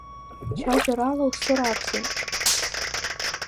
Цәажәарала усырааԥсеит.